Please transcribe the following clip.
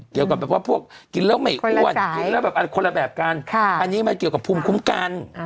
เกี่ยวกับแบบว่าพวกกินแล้วไม่อ้วนกินแล้วแบบคนละแบบกันอันนี้มันเกี่ยวกับภูมิคุ้มกัน